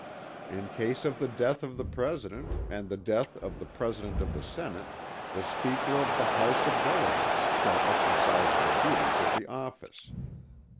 In case of the death of the President and the death of the President of the Senate, "the Speaker of the House of Delegates shall exercise the duties of the office."